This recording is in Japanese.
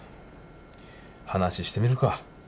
話してみるか。